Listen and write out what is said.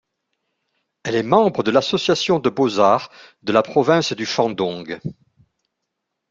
Elle est membre de l’Association de beaux-arts de la province du Shandong.